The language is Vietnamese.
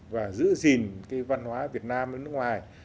và giữ gìn cái văn hóa việt nam ở nước ngoài